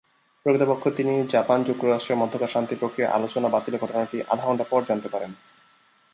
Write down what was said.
প্রকৃতপক্ষে তিনি জাপান-যুক্তরাস্ট্রের মধ্যেকার শান্তি প্রক্রিয়া আলোচনা বাতিলের ঘটনাটি আধা ঘণ্টা পর জানতে পারেন।